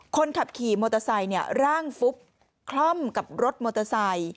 คนขับขี่มอเตอร์ไซค์ร่างฟุบคล่อมกับรถมอเตอร์ไซค์